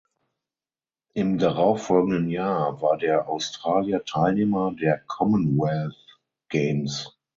Im darauffolgenden Jahr war der Australier Teilnehmer der Commonwealth Games.